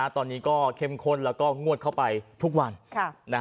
ตอนนี้ก็เข้มข้นแล้วก็งวดเข้าไปทุกวัน